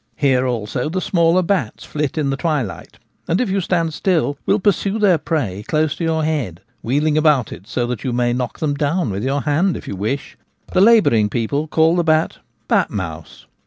Here also the smaller bats flit in the twilight, and, if you stand still, will pursue their prey close to your head, wheel ing about it so that you may knock them down with r J ■M A Stealthy Weasel. 81 your hand if you wish. The labouring people call the bat * bat mouse.'